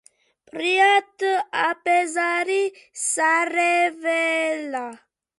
ფრიად აბეზარი სარეველაა.